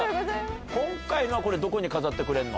今回のはどこに飾ってくれんの？